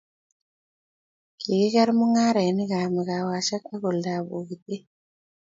kikiker mung'arenikab mikawasiek ak oldab bokitet